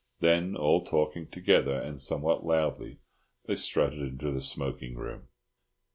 Then, all talking together, and somewhat loudly, they strutted into the smoking room.